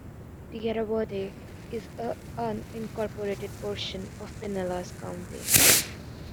Tierra Verde is a unincorporated portion of Pinellas County.